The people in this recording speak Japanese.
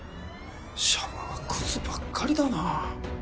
シャバはクズばっかりだな。